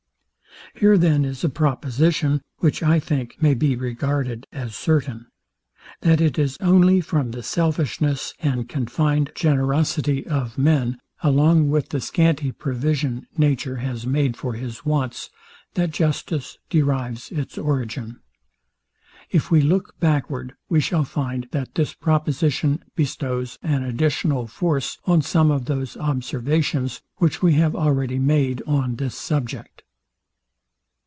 Here then is a proposition, which, I think, may be regarded as certain, that it is only from the selfishness and confined generosity of men, along with the scanty provision nature has made for his wants, that justice derives its origin. If we look backward we shall find, that this proposition bestows an additional force on some of those observations, which we have already made on this subject.